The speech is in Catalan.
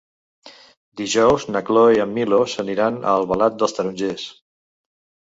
Dijous na Cloè i en Milos aniran a Albalat dels Tarongers.